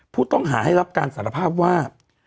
ผู้ต้องหาให้รับการสารภาพว่า